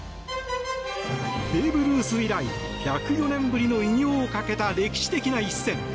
ベーブ・ルース以来１０４年ぶりの偉業をかけた歴史的な一戦。